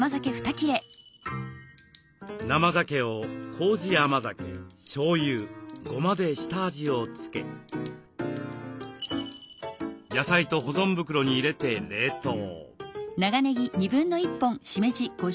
生ざけをこうじ甘酒しょうゆごまで下味をつけ野菜と保存袋に入れて冷凍。